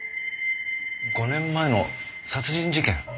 ５年前の殺人事件？